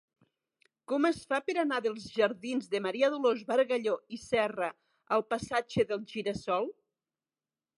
Com es fa per anar dels jardins de Maria Dolors Bargalló i Serra al passatge del Gira-sol?